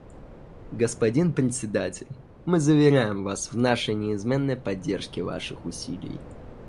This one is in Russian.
Господин Председатель, мы заверяем вас в нашей неизменной поддержке ваших усилий.